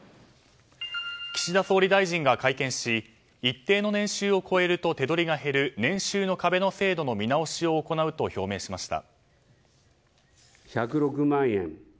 岸田総理大臣が会見し一定の年収を超えると手取りが減る年収の壁の制度の見直しを行うと表明しました。